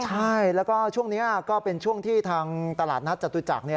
ใช่แล้วก็ช่วงนี้ก็เป็นช่วงที่ทางตลาดนัดจตุจักร